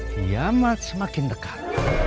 diamat semakin dekat